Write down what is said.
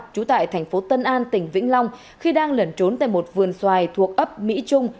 trú tại thành phố tân an tỉnh vĩnh long khi đang lẩn trốn tại một vườn xoài thuộc ấp mỹ trung